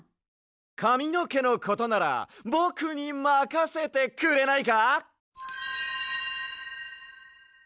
かみのけのことならぼくにまかせてくれないか？